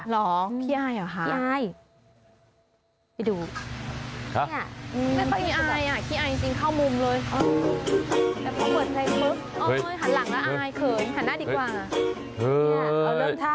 หรอขี้อายหรอค่ะ